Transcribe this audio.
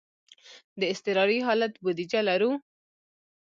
د اضطراري حالت بودیجه لرو؟